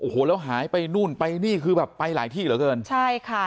โอ้โหแล้วหายไปนู่นไปนี่คือแบบไปหลายที่เหลือเกินใช่ค่ะ